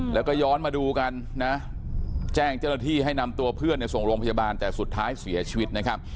แล้วก็ย้อนมาดูกันนะแจ้งเจ้าหน้าที่ให้นำตัวเพื่อนส่งโรงพยาบาลแต่สุดท้ายเสียชีวิตนะครับ